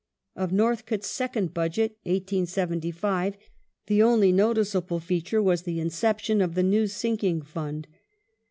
Of Noi thcote's second Budget (1875) the only noticeable feature was the inception of the New Sinking Fund.